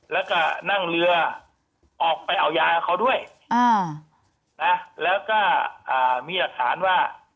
แล้วก็นั่งเรือออกไปเอายาเขาด้วยนะแล้วก็มีหลักฐานว่า